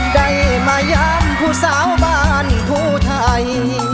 ได้มาย้ำผู้สาวบ้านทั่วไทย